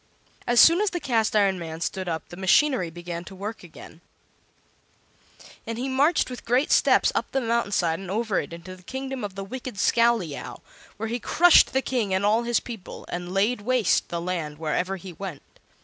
As soon as the Cast iron Man stood up the machinery began to work again, and he marched with great steps up the mountain side and over into the kingdom of the wicked Scowleyow, where he crushed the King and all his people, and laid waste the land wherever he went.